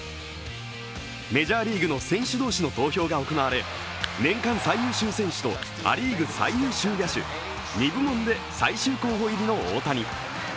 メジャーリーグの選手同士の投票が行われ、年間最優秀選手とア・リーグ最優秀野手、２部門で最終候補入りの大谷。